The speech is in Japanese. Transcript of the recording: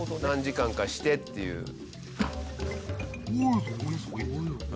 何時間かしてっていう。